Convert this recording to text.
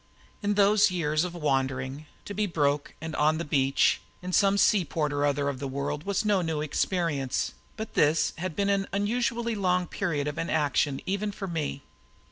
In those years of wandering, to be broke and "on the beach" in some seaport or other of the world was no new experience; but this had been an unusually long period of inaction even for me.